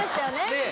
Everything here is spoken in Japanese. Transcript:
ねえ？